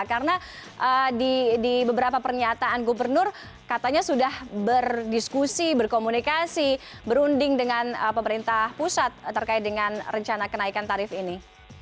karena di beberapa pernyataan gubernur katanya sudah berdiskusi berkomunikasi berunding dengan pemerintah pusat terkait dengan rencana kenaikan tarif ini